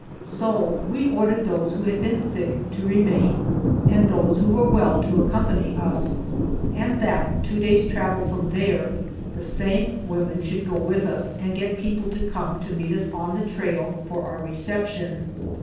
So we ordered those who had been sick to remain, and those who were well to accompany us, and that, two days' travel from there, the same women should go with us and get people to come to meet us on the trail for our reception.